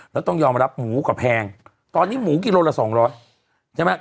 แล้วต้องยอมรับหมูแก่แพงตอนนี้หมูกิโลกรัมละ๒๐๐บาท